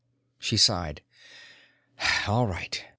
She sighed. "All right."